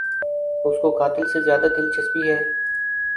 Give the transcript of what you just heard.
اس کو قاتل سے زیادہ دلچسپی ہے۔